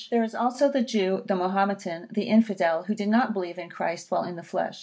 There is also the Jew, the Mahometan, the infidel, who did not believe in Christ while in the flesh.